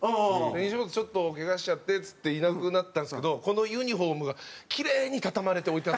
西本ちょっとケガしちゃってっつっていなくなったんですけどこのユニホームがきれいに畳まれて置いてあって。